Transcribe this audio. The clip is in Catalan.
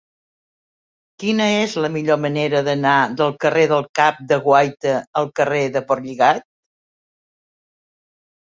Quina és la millor manera d'anar del carrer del Cap de Guaita al carrer de Portlligat?